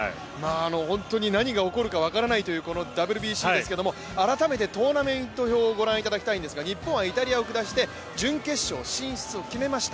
本当に何が起こるか分からないというこのＷＢＣですけど、改めてトーナメント表をご覧いただきたいですが、日本はイタリアを下して、準決勝進出を決めました。